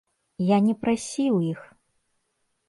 Я не прасіў іх!